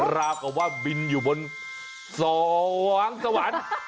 ราวกับว่าบินอยู่บนสวงสวรรค์